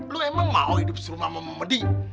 lu emang mau hidup di rumah mama mehdi